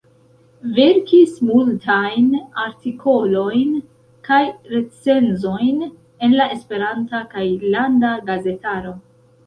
Verkis multajn artikolojn kaj recenzojn en la esperanta kaj landa gazetaro.